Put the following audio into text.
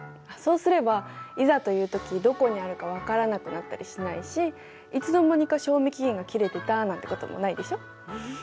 そうすればいざという時どこにあるか分からなくなったりしないしいつの間にか賞味期限が切れてたなんてこともないでしょ。